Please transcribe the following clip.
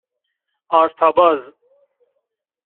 آرتاباز